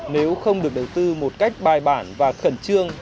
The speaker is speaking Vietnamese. nếu không được đầu tư một cách bài bản và khẩn trương